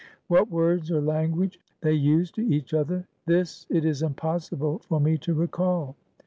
What words or language they used to each other, this it is impossible for me to recall.